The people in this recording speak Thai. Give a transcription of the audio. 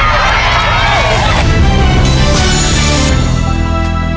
ภายในเวลาสามนาทีครับทุกคน